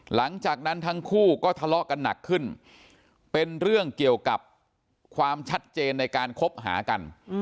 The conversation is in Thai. หลังจากนั้นทั้งคู่ก็ทะเลาะกันหนักขึ้นเป็นเรื่องเกี่ยวกับความชัดเจนในการคบหากัน